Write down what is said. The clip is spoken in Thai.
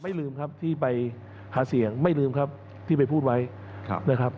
ลืมครับที่ไปหาเสียงไม่ลืมครับที่ไปพูดไว้นะครับ